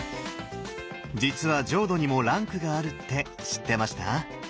実は浄土にもランクがあるって知ってました？